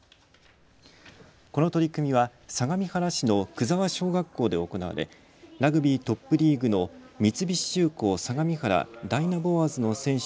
この取り組みは相模原市の九沢小学校で行われラグビートップリーグの三菱重工相模原ダイナボアーズの選手